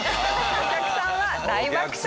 お客さんは大爆笑。